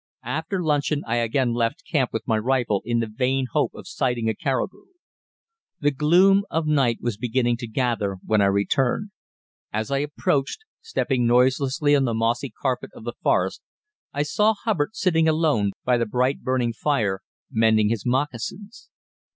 After luncheon I again left camp with my rifle in the vain hope of sighting a caribou. The gloom of night was beginning to gather when I returned. As I approached, stepping noiselessly on the mossy carpet of the forest, I saw Hubbard sitting alone by the bright burning fire, mending his moccasins.